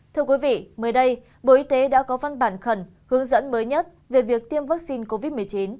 thưa quý vị mới đây bộ y tế đã có văn bản khẩn hướng dẫn mới nhất về việc tiêm vaccine covid một mươi chín